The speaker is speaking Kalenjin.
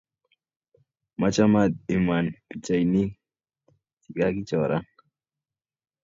Machamat inam pikchainik chigagichoran